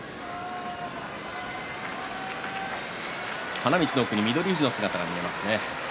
花道の奥に翠富士の姿が見えます。